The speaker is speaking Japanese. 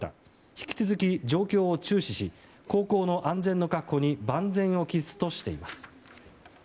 引き続き、状況を注視し航行の安全の確保に万全を期すとしています。